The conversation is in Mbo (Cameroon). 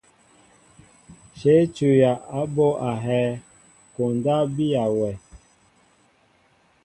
Shéé tuya a ɓɔ ahɛɛ, koondaan biya wɛʼ.